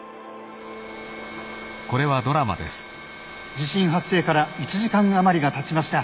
「地震発生から１時間余りがたちました。